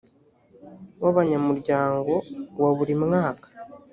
w abanyamuryango wa buri mwaka